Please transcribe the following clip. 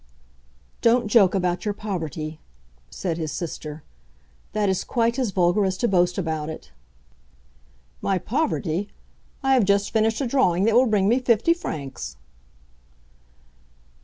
"Don't joke about your poverty," said his sister. "That is quite as vulgar as to boast about it." "My poverty! I have just finished a drawing that will bring me fifty francs!"